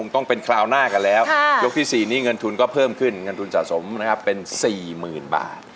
ต้องเป็นคราวหน้ากันแล้วยกที่๔นี้เงินทุนก็เพิ่มขึ้นเงินทุนสะสมนะครับเป็น๔๐๐๐บาท